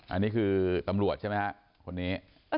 อันนี้คือตำรวจใช่ไหมฮะคนนี้